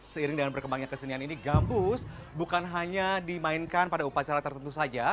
seiring dengan berkembangnya kesenian ini gambus bukan hanya dimainkan pada upacara tertentu saja